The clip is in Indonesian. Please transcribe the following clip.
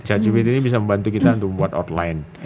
tapi cat gpt ini bisa membantu kita untuk membuat outline